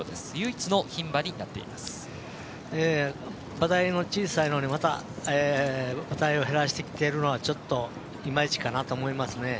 馬体の小さいのにまた馬体を減らしてきているのはいまいちかなと思います。